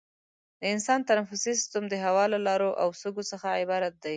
د انسان تنفسي سیستم د هوا له لارو او سږو څخه عبارت دی.